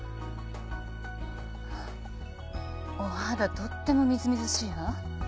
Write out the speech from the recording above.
お肌とってもみずみずしいわ。